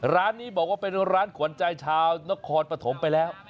ร้านนี้บอกว่าเป็นร้านขวัญใจชาวนครปฐมไปแล้ว